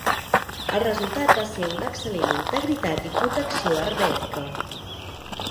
El resultat va ser una excel·lent integritat i protecció hermètica.